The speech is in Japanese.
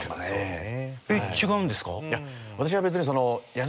えっ違うんですか？